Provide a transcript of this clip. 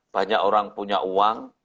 banyak orang punya uang